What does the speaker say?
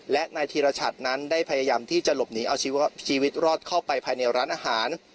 และนายธีรชัดนั้นได้พยายามที่จะหลบหนีเอาชีวิตรอดเข้าไปภายในร้านอาหาร